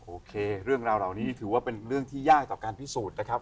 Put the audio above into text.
โอเคเรื่องราวเหล่านี้ถือว่าเป็นเรื่องที่ยากต่อการพิสูจน์นะครับ